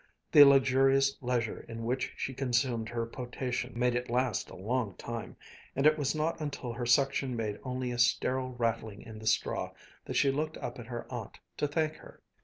The luxurious leisure in which she consumed her potation made it last a long time, and it was not until her suction made only a sterile rattling in the straw that she looked up at her aunt to thank her.